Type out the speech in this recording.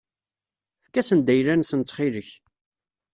Efk-asen-d ayla-nsen ttxil-k.